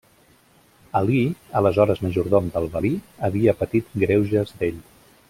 Alí, aleshores majordom del valí, havia patit greuges d'ell.